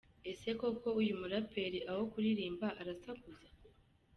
Ese koko uyu muraperi aho kuririmba arasakuza?.